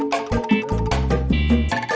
mak baru masuk